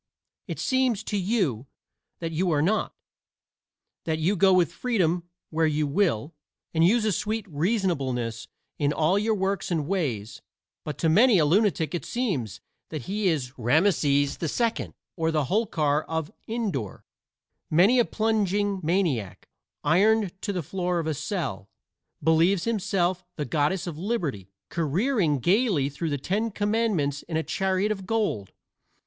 It seems to you that you are not that you go with freedom where you will, and use a sweet reasonableness in all your works and ways; but to many a lunatic it seems that he is Rameses II, or the Holkar of Indore. Many a plunging maniac, ironed to the floor of a cell, believes himself the Goddess of Liberty careering gaily through the Ten Commandments in a chariot of gold.